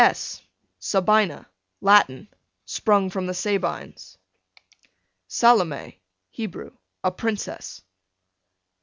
S Sabina, Latin, sprung from the Sabines. Salome, Hebrew, a princess.